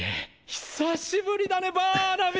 久しぶりだねバーナビー！